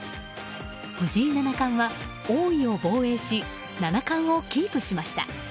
藤井七冠は、王位を防衛し七冠をキープしました。